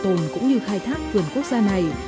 bảo tồn cũng như khai thác vườn quốc gia này